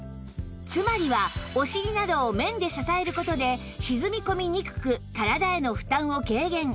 つまりはお尻などを面で支える事で沈み込みにくく体への負担を軽減